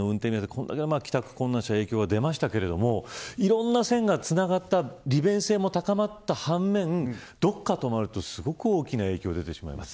これだけ、帰宅困難者に影響が出ましたけどいろいろな線がつながった利便性が高まった反面どこか止まるとすごく大きな影響出てしまいますね。